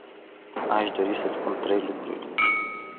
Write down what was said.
Aș dori să spun trei lucruri.